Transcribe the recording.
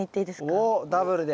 おおっダブルで。